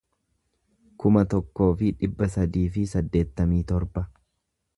kuma tokkoo fi dhibba sadii fi saddeettamii torba